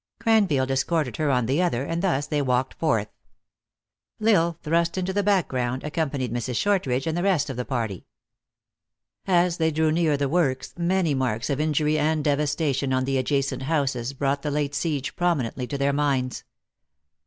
Craniield escorted her on the other, and thus they walked forth. L Isle, thrust into the back ground, accompanied Mrs. Shortridge and the rest of the party. As they drew near the works, many marks of in jury and devastation on the adjacent houses, brought the late siege prominently to their minds.